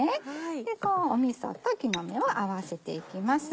こうみそと木の芽を合わせていきます。